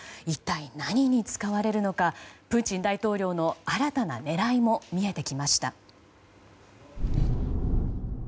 一体、何に使われるのかプーチン大統領の新たな狙いも見えてきました。